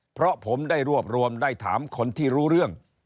เพราะผมได้รวบรวมได้ถามคนที่รู้เรื่อง